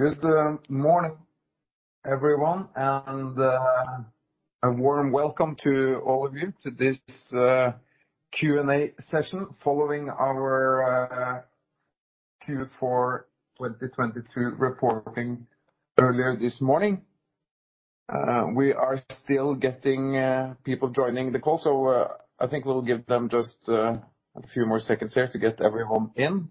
Good morning, everyone, a warm welcome to all of you to this Q&A session following our Q4 2022 reporting earlier this morning. We are still getting people joining the call, I think we'll give them just a few more seconds here to get everyone in.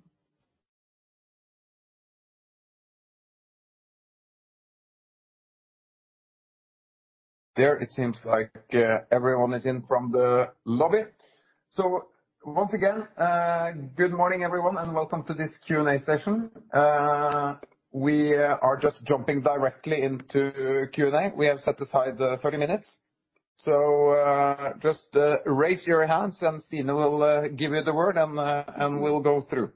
There, it seems like everyone is in from the lobby. Once again, good morning, everyone, and welcome to this Q&A session. We are just jumping directly into Q&A. We have set aside 30 minutes. Just raise your hands, and Sine will give you the word, and we'll go through.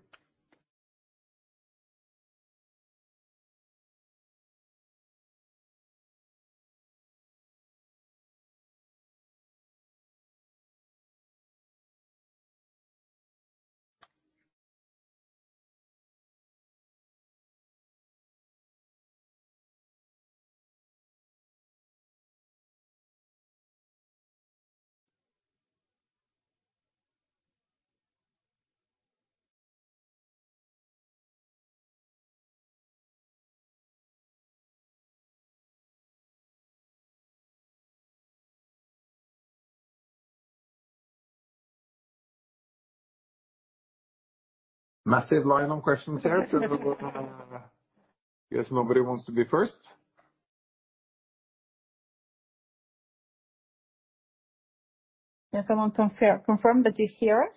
Massive line on questions here so we go, guess nobody wants to be first. Yes, I want to confirm that you hear us.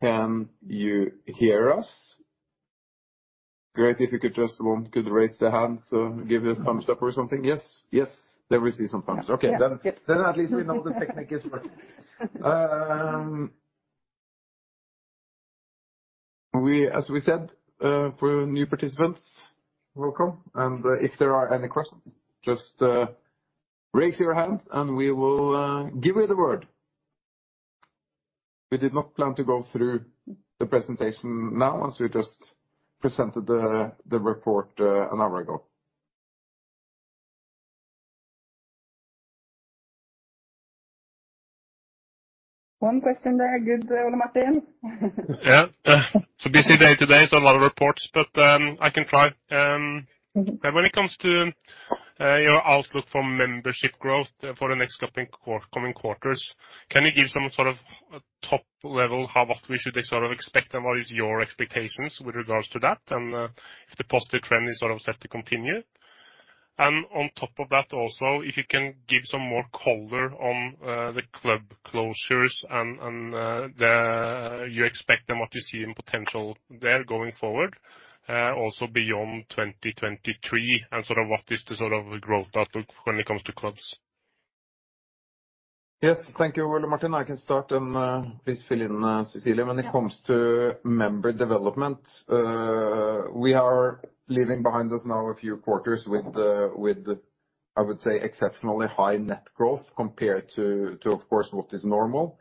Can you hear us? Great. If you could just, one could raise their hands or give a thumbs up or something. Yes. Yes. There we see some thumbs. Okay. Yeah. Yep. At least we know the technique is working. We, as we said, for new participants, welcome. If there are any questions, just, raise your hand, and we will, give you the word. We did not plan to go through the presentation now as we just presented the report, an hour ago. One question there. Good, Ole Martin. It's a busy day today, so a lot of reports, but I can try. When it comes to your outlook for membership growth for the next couple of coming quarters, can you give some sort of top level what we should sort of expect and what is your expectations with regards to that, if the positive trend is sort of set to continue? On top of that also, if you can give some more color on the club closures and, You expect and what you see in potential there going forward, also beyond 2023, and sort of what is the sort of growth outlook when it comes to clubs. Yes. Thank you, Ole Martin. I can start and please fill in Cecilia. When it comes to member development, we are leaving behind us now a few quarters with, I would say, exceptionally high net growth compared to, of course, what is normal.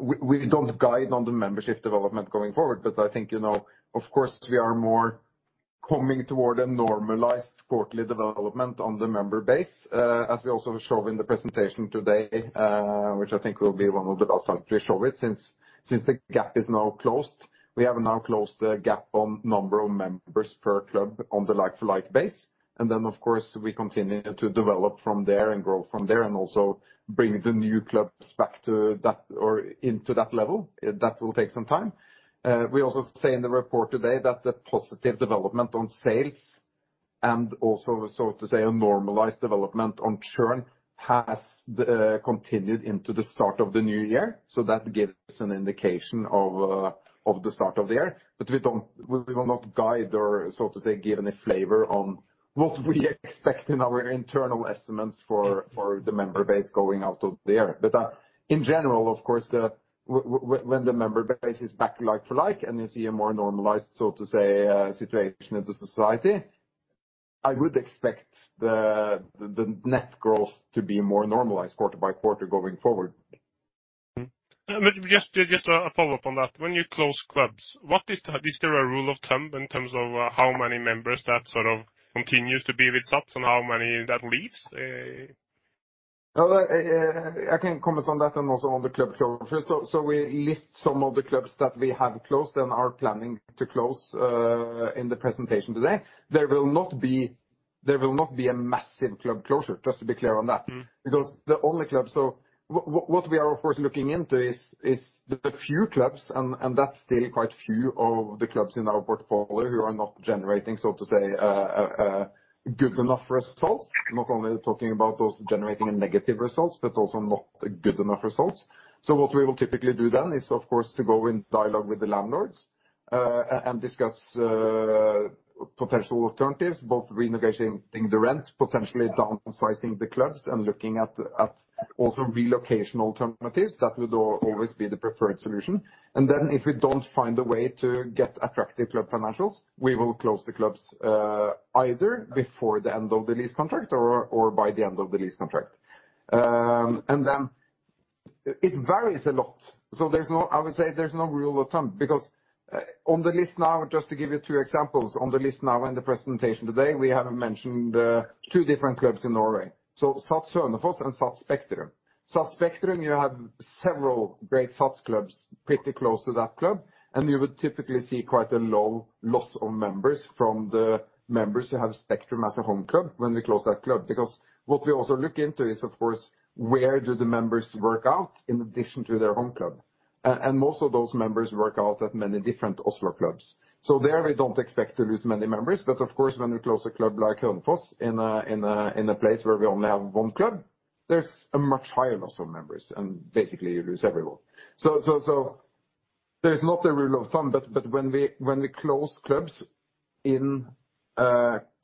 We don't guide on the membership development going forward, but I think, you know, of course, we are more coming toward a normalized quarterly development on the member base, as we also show in the presentation today, which I think will be one of the last time to show it since the gap is now closed. We have now closed the gap on number of members per club on the like-for-like base. Of course, we continue to develop from there and grow from there and also bring the new clubs back to that or into that level. That will take some time. We also say in the report today that the positive development on sales and also, so to say, a normalized development on churn has continued into the start of the new year. That gives an indication of the start of the year. We will not guide or, so to say, give any flavor on what we expect in our internal estimates for the member base going out of there. In general, of course, the. When the member base is back like-for-like, and you see a more normalized, so to say, situation in the society, I would expect the net growth to be more normalized quarter by quarter going forward. Mm-hmm. Just a follow-up on that. When you close clubs, is there a rule of thumb in terms of how many members that sort of continues to be with SATS and how many that leaves? Well, I can comment on that and also on the club closures. We list some of the clubs that we have closed and are planning to close in the presentation today. There will not be a massive club closure, just to be clear on that. Mm-hmm. The only club. What we are, of course, looking into is the few clubs, and that's still quite few of the clubs in our portfolio, who are not generating, so to say, good enough results. Not only talking about those generating negative results, but also not good enough results. What we will typically do then is, of course, to go in dialogue with the landlords, and discuss potential alternatives, both renegotiating the rent, potentially downsizing the clubs, and looking at also relocation alternatives. That would always be the preferred solution. If we don't find a way to get attractive club financials, we will close the clubs, either before the end of the lease contract or by the end of the lease contract. It varies a lot. There's no I would say there's no rule of thumb, because, on the list now, just to give you two examples, on the list now in the presentation today, we have mentioned, two different clubs in Norway. SATS Hønefoss and SATS Spektrum. SATS Spektrum, you have several great SATS clubs pretty close to that club, and you would typically see quite a low loss of members from the members who have Spektrum as a home club when we close that club. Because what we also look into is, of course, where do the members work out in addition to their home club. And most of those members work out at many different Oslo clubs. There, we don't expect to lose many members. Of course, when we close a club like Hønefoss in a place where we only have one club, there's a much higher loss of members, and basically you lose everyone. There's not a rule of thumb. When we close clubs in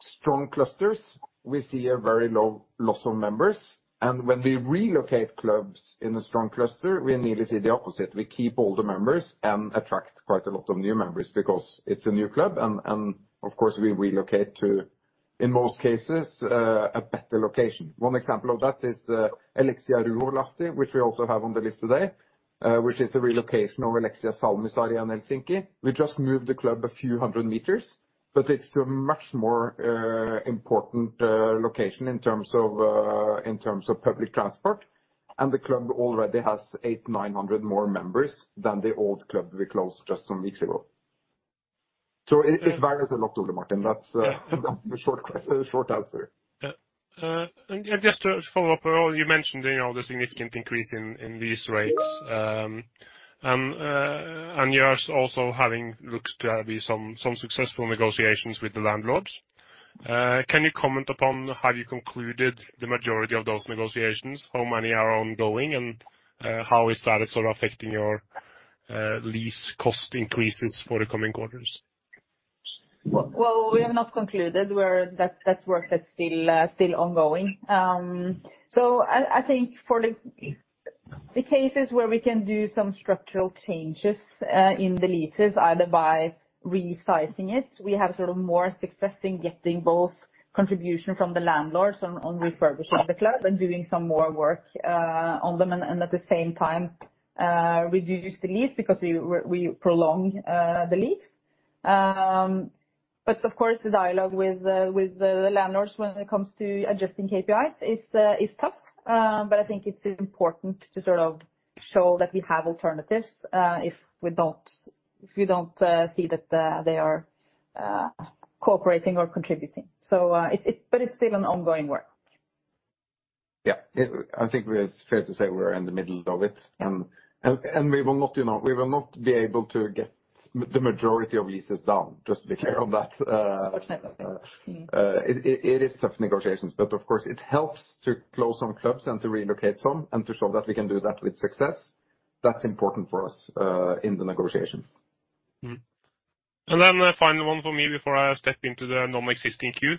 strong clusters, we see a very low loss of members. When we relocate clubs in a strong cluster, we nearly see the opposite. We keep all the members and attract quite a lot of new members because it's a new club, and of course we relocate to, in most cases, a better location. One example of that is ELIXIA Ruoholahti, which we also have on the list today, which is a relocation of ELIXIA Salmisaari in Helsinki. We just moved the club a few hundred meters. It's to a much more important location in terms of in terms of public transport. The club already has 8, 900 more members than the old club we closed just some weeks ago. It varies a lot, Ole Martin. That's that's the short answer. Yeah. Just to follow up, you mentioned, you know, the significant increase in these rates. You're also having looks to have be some successful negotiations with the landlords. Can you comment upon have you concluded the majority of those negotiations? How many are ongoing, and, how is that sort of affecting your, lease cost increases for the coming quarters? We have not concluded where that work that's still ongoing. I think for the cases where we can do some structural changes in the leases, either by resizing it, we have sort of more success in getting both contribution from the landlords on refurbishing the club and doing some more work on them and at the same time reduce the lease because we prolong the lease. Of course, the dialogue with the landlords when it comes to adjusting KPIs is tough. I think it's important to sort of show that we have alternatives if we don't see that they are cooperating or contributing. It's still an ongoing work. Yeah. I think it's fair to say we're in the middle of it. We will not, you know, we will not be able to get the majority of leases down. Just be clear on that. It is tough negotiations, but of course, it helps to close some clubs and to relocate some and to show that we can do that with success. That's important for us in the negotiations. The final one for me before I step into the non-existing queue.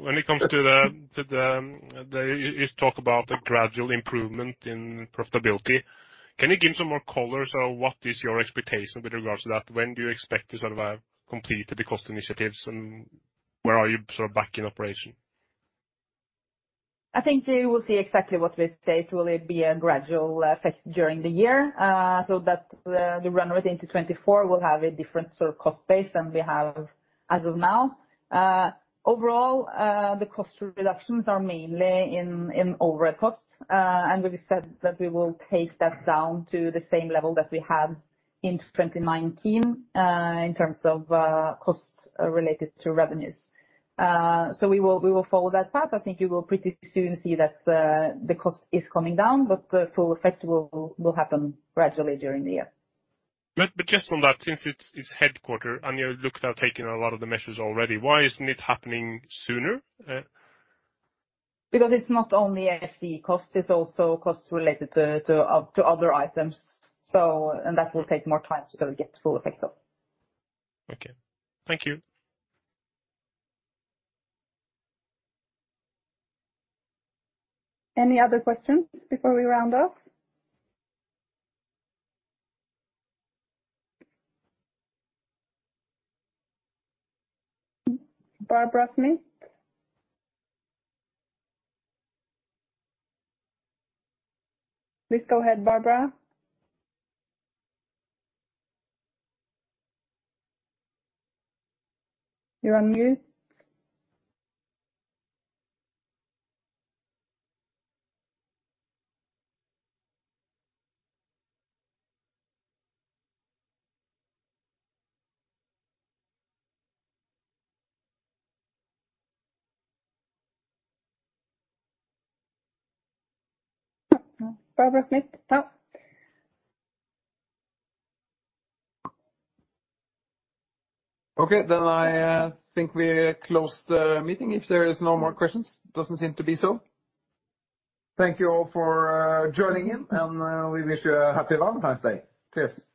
When it comes to the. You talk about a gradual improvement in profitability. Can you give some more color? What is your expectation with regards to that? When do you expect to sort of have completed the cost initiatives, and where are you sort of back in operation? I think you will see exactly what we state, will it be a gradual effect during the year. That, we run right into 2024, we'll have a different sort of cost base than we have as of now. Overall, the cost reductions are mainly in overhead costs. We've said that we will take that down to the same level that we had in 2019, in terms of, costs related to revenues. We will follow that path. I think you will pretty soon see that, the cost is coming down, but the full effect will happen gradually during the year. Just on that, since it's headquarters and you looked at taking a lot of the measures already, why isn't it happening sooner? It's not only FTE costs, it's also costs related to other items. That will take more time to sort of get full effect of. Okay. Thank you. Any other questions before we round off? Barbara Smith? Please go ahead, Barbara. You're on mute. Barbara Smith? Takk. Okay. I think we close the meeting if there is no more questions. Doesn't seem to be so. Thank you all for joining in, and we wish you a Happy Valentine's Day. Cheers. Have a good one.